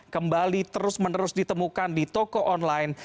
kembali terus menerus ditemukan di toko online